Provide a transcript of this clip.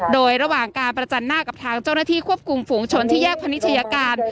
โดยระหว่างการประจันหน้ากับทางเจ้าหน้าที่ควบคุมฝูงชนที่แยกพนิชยาการ